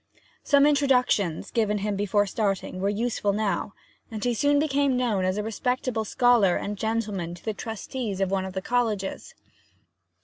Some introductions, given him before starting, were useful now, and he soon became known as a respectable scholar and gentleman to the trustees of one of the colleges.